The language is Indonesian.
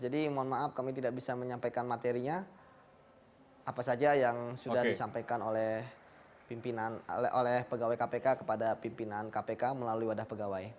jadi mohon maaf kami tidak bisa menyampaikan materinya apa saja yang sudah disampaikan oleh pimpinan oleh pegawai kpk kepada pimpinan kpk melalui wadah pegawai